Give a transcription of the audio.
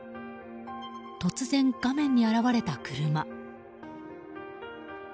突然、画面に現れた車。